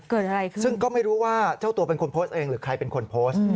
เกิดอะไรขึ้นซึ่งก็ไม่รู้ว่าเจ้าตัวเป็นคนโพสต์เองหรือใครเป็นคนโพสต์